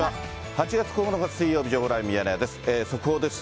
８月９日水曜日、情報ライブミヤネ屋です。